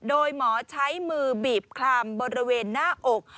โดยหมอใช้มือบีบคลำบริเวณหน้าอก